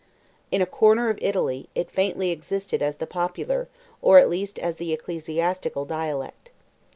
In a corner of Italy, it faintly existed as the popular, or at least as the ecclesiastical dialect.